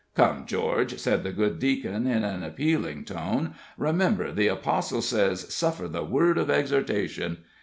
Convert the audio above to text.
"Come, George," said the good Deacon, in an appealing tone, "remember the apostle says, 'Suffer the word of exhortation.'"